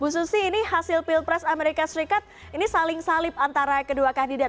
bu susi ini hasil pilpres amerika serikat ini saling salib antara kedua kandidat